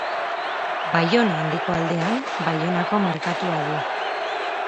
Baiona Handiko aldean Baionako merkatua du.